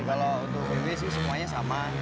nah kalau untuk vw sih semuanya sama